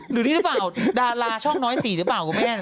หรือนี่หรือเปล่าดาราช่องน้อย๔หรือเปล่าคุณแม่